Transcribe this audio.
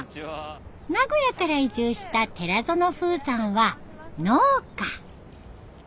名古屋から移住した寺園風さんは農家。